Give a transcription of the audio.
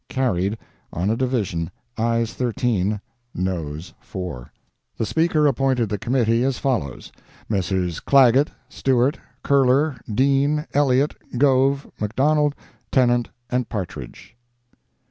Carried; on a division—ayes 13, noes 4. The Speaker appointed the committee as follows: Messrs. Clagett, Stewart, Curler, Dean, Elliott, Gove, McDonald, Tennant and Partridge.